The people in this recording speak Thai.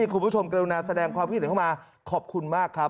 คุณผู้ชมกรุณาแสดงความคิดเห็นเข้ามาขอบคุณมากครับ